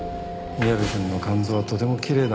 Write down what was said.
宮部くんの肝臓はとてもきれいだ。